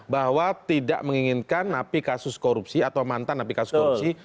bahwa tidak menginginkan napi kasus korupsi atau mantan napi kasus korupsi